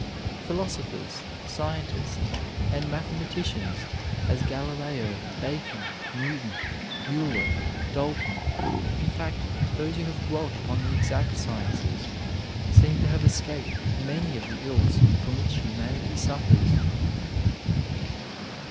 Philosophers, scientists, and mathematicians, as Galileo, Bacon, Newton, Euler, Dalton, in fact, those who have dwelt upon the exact sciences, seem to have escaped many of the ills from which humanity suffers.